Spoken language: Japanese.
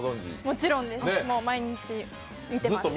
もちろんです、毎日見てます。